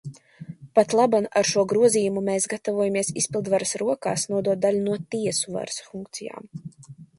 Patlaban ar šo grozījumu mēs gatavojamies izpildvaras rokās nodot daļu no tiesu varas funkcijām.